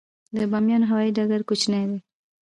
د بامیان هوايي ډګر کوچنی دی